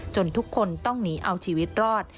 ทุกคนต้องหนีเอาชีวิตรอด